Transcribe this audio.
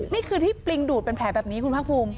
นี่คือที่ปลิงดูดเป็นแผลแบบนี้คุณภาคภูมิ